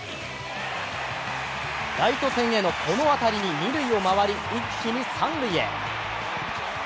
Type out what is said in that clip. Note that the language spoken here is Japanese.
ライト線へのこの当たりに二塁を回り、一気に三塁へ。